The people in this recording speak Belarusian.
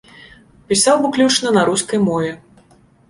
Пісаў выключна на рускай мове.